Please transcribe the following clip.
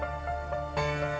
jangan lupa untuk berlangganan